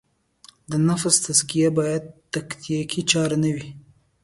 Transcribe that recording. د نفس تزکیه باید تکتیکي چاره نه وي.